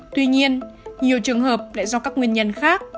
tuy nhiên nhiều trường hợp lại do các nguyên nhân khác